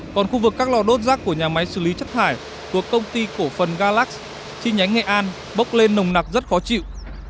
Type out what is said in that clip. còn khu vực các lò đốt rác của nhà máy xử lý chất thải thuộc công ty cổ phần galax chi nhánh nghệ an bốc lên nồng nặc rất khó chịu